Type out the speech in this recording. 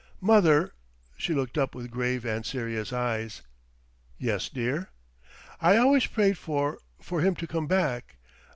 "Mother!" She looked up with grave and serious eyes. "Yes, dear." "I always prayed for for him to come back.